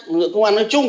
lực lượng công an nói chung